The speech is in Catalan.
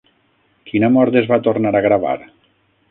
Quina mort es va tornar a gravar?